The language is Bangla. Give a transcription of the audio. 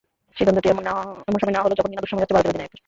সিদ্ধান্তটি এমন সময় নেওয়া হলো, যখন কিনা দুঃসময় যাচ্ছে ভারতের অধিনায়কের।